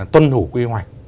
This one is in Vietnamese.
tuân thủ quy hoạch